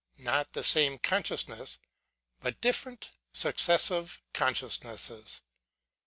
not the same consciousness, but different successive conscious nesses.